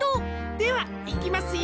ではいきますよ！